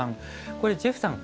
これジェフさん